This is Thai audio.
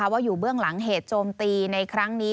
ว่าอยู่เบื้องหลังเหตุโจมตีในครั้งนี้